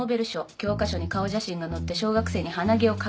教科書に顔写真が載って小学生に鼻毛を描かれる名誉。